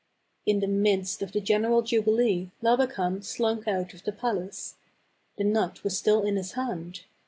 " In the midst of the general jubilee Labakan slunk out of the palace. The nut was still in his hand.